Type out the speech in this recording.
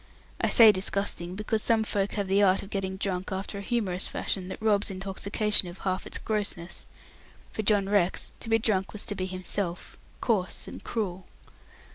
I say disgusting, because some folks have the art of getting drunk after a humorous fashion, that robs intoxication of half its grossness. For John Rex to be drunk was to be himself coarse and cruel.